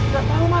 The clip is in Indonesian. gak tahu ma